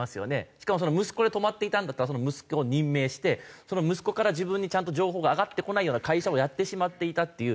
しかも息子で止まっていたんだったら息子を任命してその息子から自分にちゃんと情報が上がってこないような会社をやってしまっていたっていう。